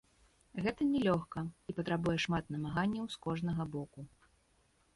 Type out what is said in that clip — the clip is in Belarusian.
Гэта не лёгка, і патрабуе шмат намаганняў з кожнага боку.